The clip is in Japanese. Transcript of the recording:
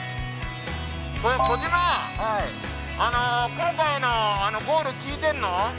今回のゴール聞いてんの？